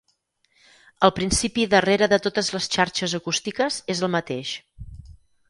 El principi darrere de totes les xarxes acústiques és el mateix.